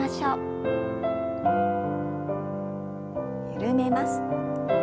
緩めます。